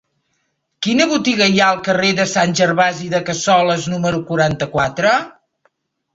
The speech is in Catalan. Quina botiga hi ha al carrer de Sant Gervasi de Cassoles número quaranta-quatre?